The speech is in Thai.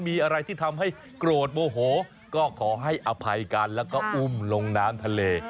มีอะไรที่ทำให้โกรธโมโหก็ขอให้อภัยกันแล้วก็อุ้มลงน้ำทะเล